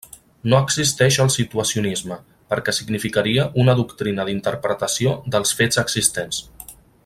No existeix el situacionisme, perquè significaria una doctrina d'interpretació dels fets existents.